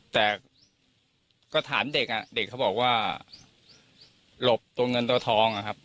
แต่ก็ถามเด็กอ่ะเด็กเขาบอกว่าหลบตัวเงินตัวทองอะครับ